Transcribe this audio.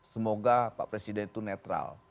semoga pak presiden itu netral